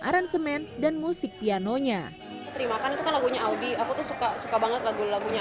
aransemen dan musik pianonya terimakannya lagunya audi aku suka suka banget lagu lagunya